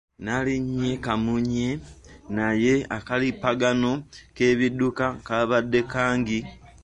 Nalinnye kamunye naye akalippagano k'ebidduka kaabadde kangi.